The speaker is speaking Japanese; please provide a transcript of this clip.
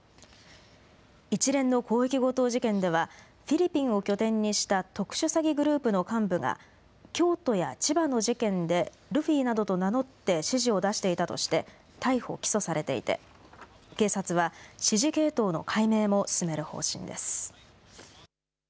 一連の広域強盗事件ではフィリピンを拠点にした特殊詐欺グループの幹部が京都や千葉の事件でルフィなどと名乗って指示を出していたとして逮捕、起訴されていて警察は指示系統の解明も進める方針です。